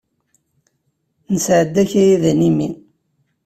Nesɛedda akayad animi.